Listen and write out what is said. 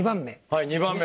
はい２番目。